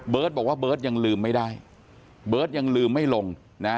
บอกว่าเบิร์ตยังลืมไม่ได้เบิร์ตยังลืมไม่ลงนะ